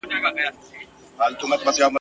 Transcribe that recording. له ټوټو بشپړ بلوړ کله جوړیږي !.